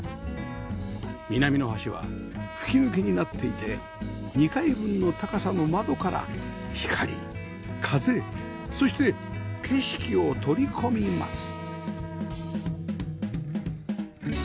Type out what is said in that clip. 南の端は吹き抜けになっていて２階分の高さの窓から光風そして景色を取り込みます